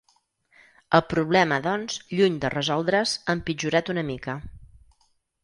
El problema, doncs, lluny de resoldre’s, ha empitjorat una mica.